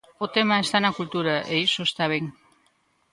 O tema está na cultura e iso está ben.